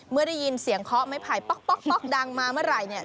เมื่อได้ยินเสียงเคาะไม้ไผ่ป๊อกดังมาเมื่อไหร่เนี่ย